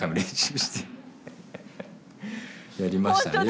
やりましたね。